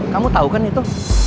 kamu tau kan itu